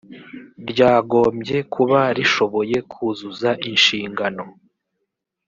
ryagombye kuba rishoboye kuzuza inshingano